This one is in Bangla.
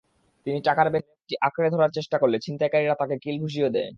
তিনি টাকার ব্যাগটি আঁকড়ে ধরার চেষ্টা করলে ছিনতাইকারীরা তাঁকে কিলঘুষিও দেয়।